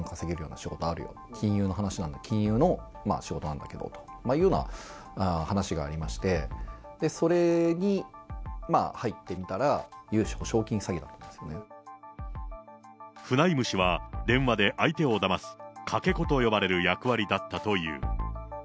仕事があるよ、金融の仕事なんだけどというような話がありまして、それに入ってみたら、フナイム氏は、電話で相手をだますかけ子と呼ばれる役割だったという。